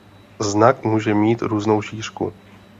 Znak může mít různou šířku.